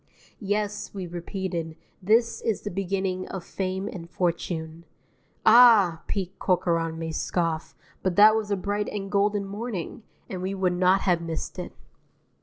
Yes, we repeated, this is the beginning of fame and fortune. Ah! Pete Corcoran may scoff, but that was a bright and golden morning, and we would not have missed it.